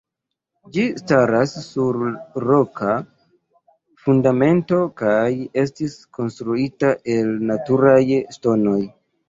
Ĝi staras sur roka fundamento kaj estis konstruita el naturaj ŝtonoj.